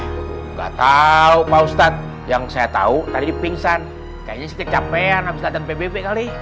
tidak tahu pak ustadz yang saya tahu tadi pingsan kayaknya sih kecapean habis datang pbb kali